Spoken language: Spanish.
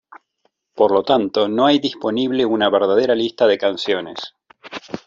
Por lo tanto, no hay disponible una verdadera lista de canciones.